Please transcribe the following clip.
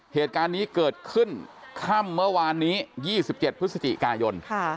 เหตุการณ์นี้เกิดขึ้นค่ำเมื่อวานนี้ยี่สิบเจ็ดพฤศจิกายนค่ะ